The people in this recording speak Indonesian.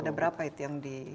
ada berapa itu yang di